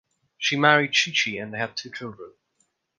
She married Schicchi and they had two children.